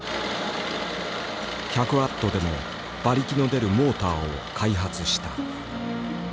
１００ワットでも馬力の出るモーターを開発した。